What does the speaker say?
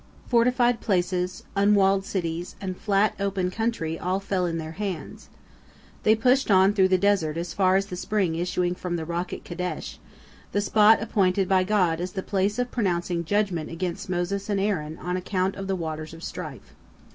Fortified places, unwalled cities, and flat, open country, all fell in their hands. They pushed on through the desert as far as the spring issuing from the rock at Kadesh, the spot appointed by God as the place of pronouncing judgment against Moses and Aaron on account of the waters of strife.